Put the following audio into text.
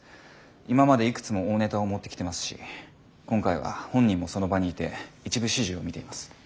今までいくつも大ネタを持ってきてますし今回は本人もその場にいて一部始終を見ています。